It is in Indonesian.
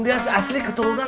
dia asli keturunan dia mah